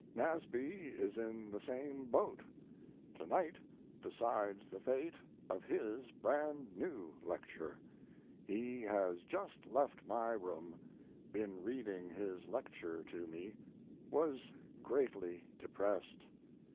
Nasby is in the same boat. Tonight decides the fate of his brand new lecture. He has just left my room been reading his lecture to me was greatly depressed.